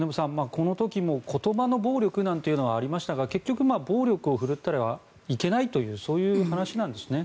この時も言葉の暴力というのはありましたが結局、暴力を振るったらいけないというそういう話なんですね。